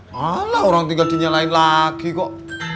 malah orang tinggal dinyalain lagi kok